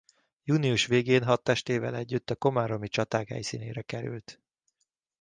Június végén hadtestével együtt a komáromi csaták helyszínére került.